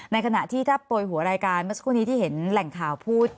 ขณะที่ถ้าโปรยหัวรายการเมื่อสักครู่นี้ที่เห็นแหล่งข่าวพูด